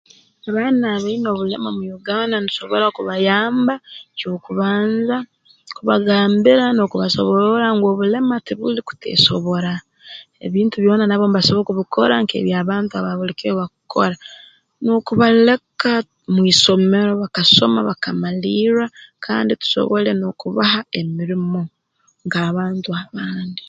Abaana abaine obulema mu Uganda ntusobora kubayamba ky'okubanza kubagambira n'okubasobororra ngu obulema tubuli kuteesobora ebintu byona nabo mbasobora kubikora nk'eby'abantu aba buli kiro ebi bakukora n'okubaleka mu isomero bakasoma bakamalirra kandi tusobole n'okubaha emirimo nk'abantu abandi